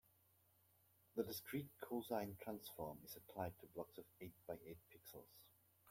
The discrete cosine transform is applied to blocks of eight by eight pixels.